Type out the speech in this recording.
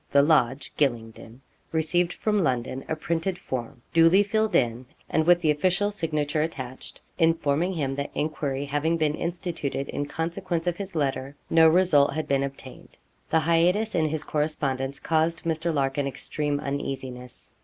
The Lodge, Gylingden,' received from London a printed form, duly filled in, and with the official signature attached, informing him that enquiry having been instituted in consequence of his letter, no result had been obtained. The hiatus in his correspondence caused Mr. Larkin extreme uneasiness.